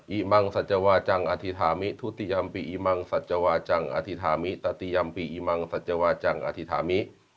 อิมังสัจวาจังอธิษฐามิทุติยัมปิอิมังสัจวาจังอธิษฐามิตติยัมปิอิมังสัจวาจังอธิษฐามิ